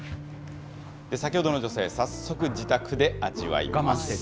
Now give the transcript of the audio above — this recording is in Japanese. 先ほどの女性、早速自宅で味わいます。